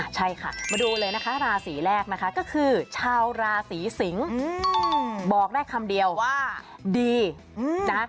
ใช่ค่ะมาดูเลยนะคะราศีแรกนะคะก็คือชาวราศีสิงศ์บอกได้คำเดียวว่าดีนะ